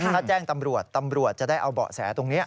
ถ้าแจ้งตำรวจตำรวจจะได้เอาเบาะแสตรงนี้